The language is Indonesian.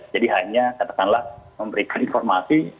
jadi hanya katakanlah memberikan informasi